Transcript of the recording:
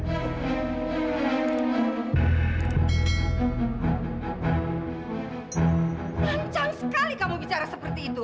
lancang sekali kamu bicara seperti itu